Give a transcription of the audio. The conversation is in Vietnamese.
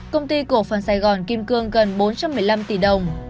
công ty cổ phần sài gòn kim cương gần bốn trăm một mươi năm tỷ đồng